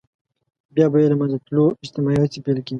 بيا به يې د له منځه تلو اجتماعي هڅې پيل کېدې.